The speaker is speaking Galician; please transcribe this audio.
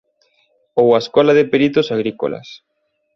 Ou a Escola de Peritos Agrícolas.